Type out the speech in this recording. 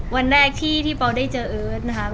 วันแรกที่เพราะเราได้เจอเอิ้ดนะคะ